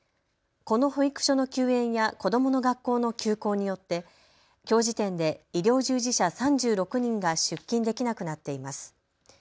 この保育所の休園や子どもの学校の休校によってきょう時点で医療従事者３６人が出勤できなくなっています。